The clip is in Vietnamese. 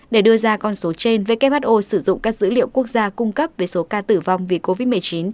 để đưa ra con số trên who sử dụng các dữ liệu quốc gia cung cấp về số ca tử vong vì covid một mươi chín